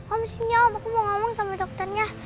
om sinyal aku mau ngomong sama dokternya